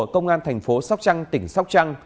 công an thành phố sóc trăng tỉnh sóc trăng